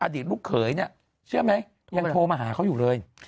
อดีตลูกเขยเนี่ยเชื่อไหมยังโทรมาหาเขาอยู่เลย